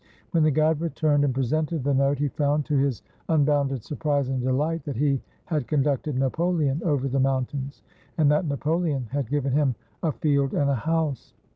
When the guide returned and presented the note, he found, to his un bounded surprise and delight, that he had conducted Napoleon over the mountains, and that Napoleon had given him a field and a house.